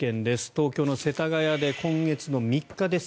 東京の世田谷で今月の３日です。